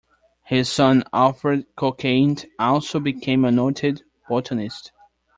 His son Alfred Cockayne also became a noted botanist.